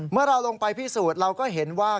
เมื่อเราลงไปพิสูจน์เราก็เห็นว่า